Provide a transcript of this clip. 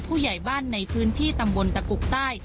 ผู้ใหญ่บ้านในพื้นที่ตำบลตะกุกใต้